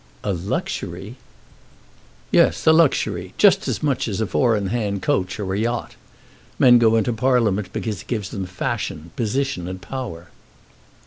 "A luxury!" "Yes, a luxury; just as much as a four in hand coach or a yacht. Men go into Parliament because it gives them fashion, position, and power."